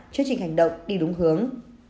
chương trình hành động đi đúng hướng